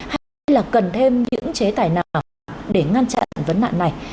hay là cần thêm những chế tài nào để ngăn chặn vấn nạn này